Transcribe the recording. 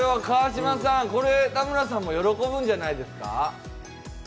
川島さん、これは田村さんも喜ぶんじゃないですか？